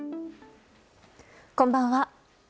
こんばんは。